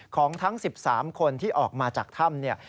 ของทั้ง๑๓คนที่ออกมาจากถ้ำเนี่ย